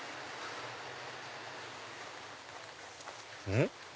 うん？